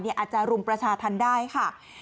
อาจจะรุมประชาธรรมได้ค่ะ